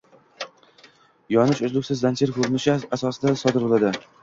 yonish uzluksiz zanjir ko’rinishi asosida sodir bo’ladi.